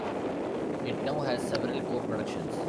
It now has several co-productions.